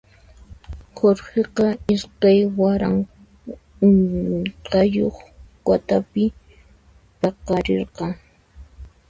Jorgeqa iskay waranqayuq watapi paqarirqan.